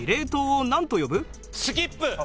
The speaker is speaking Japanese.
スキップ。